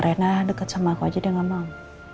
rena deket sama aku aja dia gak mau